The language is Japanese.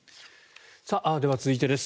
では、続いてです。